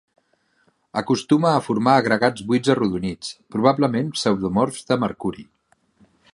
Acostuma a formar agregats buits arrodonits, probablement pseudomorfs de mercuri.